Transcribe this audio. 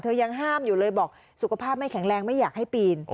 ยังห้ามอยู่เลยบอกสุขภาพไม่แข็งแรงไม่อยากให้ปีน